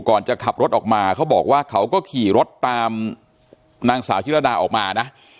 ก่อนจะขับรถออกมาเขาบอกว่าเขาก็ขี่รถตามนางสาวชิรดาออกมานะ